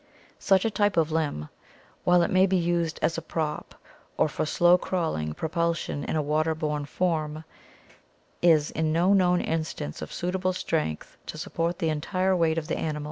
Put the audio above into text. Such a type of limb, while it may be used as a prop or for slow crawling propulsion in a water borne form, is in no known instance of suitable strength to support the entire weight of the animal